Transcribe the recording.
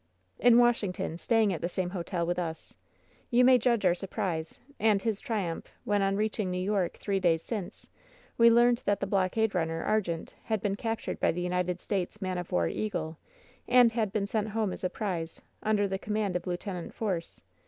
"In Washington, staying at the same hotel with us. You may judge our surprise, and his triumph, when on reaching New York, three days since, we learned that the blockade runner Argente had been captured by the United States man of war Eagle, and had been sent home as a prize, under the command of Lieut. Force.